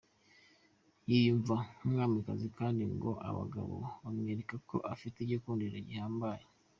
Yiyumva nk’umwamikazi, kandi ngo abagabo bamwereka ko afite igikundiro gihambaye.